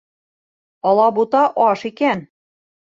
Алабута аш икән